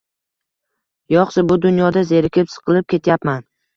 Yoʻqsa bu dunyoda zerikib, siqilib ketyapman.